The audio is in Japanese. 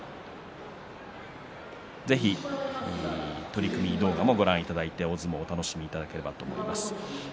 ぜひ取組動画もご覧いただいて大相撲をお楽しみいただければと思います。